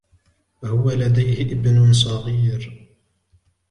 هو لديه ابن صغير.